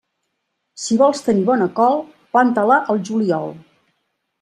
Si vols tenir bona col, planta-la al juliol.